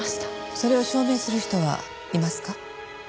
それを証明する人はいますか？